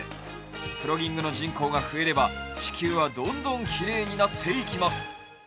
プロギングの人口が増えれば地球はどんどんきれいになっていきます。